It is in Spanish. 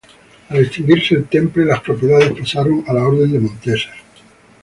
Al extinguirse el Temple, las propiedades pasaron a la Orden de Montesa.